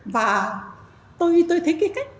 và tôi thấy cái cách